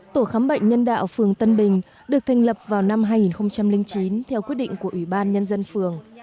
tổ khám bệnh nhân đạo phường tân bình được thành lập vào năm hai nghìn chín theo quyết định của ủy ban nhân dân phường